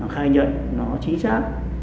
khai nhận nó chính xác